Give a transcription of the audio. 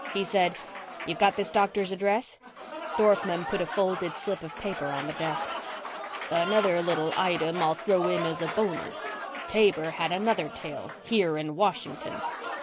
He said, "You've got this doctor's address?" Dorfman put a folded slip of paper on the desk. "Another little item I'll throw in as a bonus. Taber had another tail here in Washington."